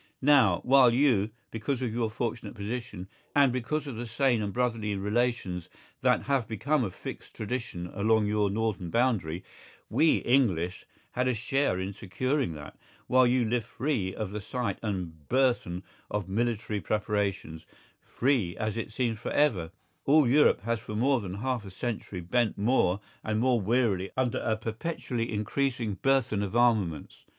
Now, while you, because of your fortunate position, and because of the sane and brotherly relations that have become a fixed tradition along your northern boundary—we English had a share in securing that—while you live free of the sight and burthen of military preparations, free as it seems for ever, all Europe has for more than half a century bent more and more wearily under a perpetually increasing burthen of armaments.